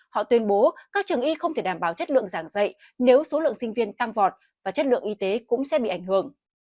họ tuyên bố các trường y không thể đảm bảo chất lượng giảng dạy nếu số lượng sinh viên tăng vọt và chất lượng y tế cũng sẽ bị ảnh hưởng